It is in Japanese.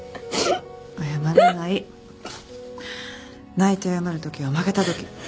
泣いて謝るときは負けたとき。